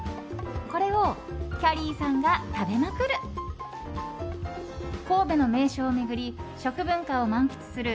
これをきゃりーさんが食べまくる！